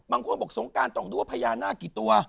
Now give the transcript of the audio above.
บางคนบอกสงการต้องดูว่าพญานาคกี่ตัว